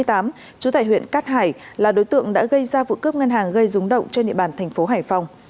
trú tại huyện cát hải là đối tượng đã gây ra vụ cướp ngân hàng gây rúng động trên địa bàn thành phố hải phòng